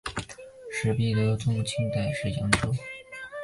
石壁流淙园在清代原是扬州盐商徐赞侯别墅。